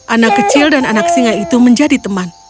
anak kecil dan anak singa itu menjadi teman